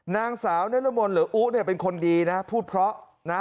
นางสาวนรมนหรืออุ๊เนี่ยเป็นคนดีนะพูดเพราะนะ